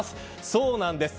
そうなんです。